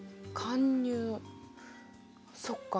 そっか